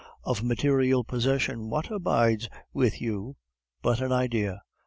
Of material possession what abides with you but an idea?